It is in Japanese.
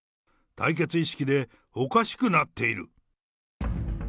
対決意識で、おかしくなっている。